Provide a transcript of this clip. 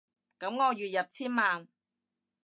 噉我月入千萬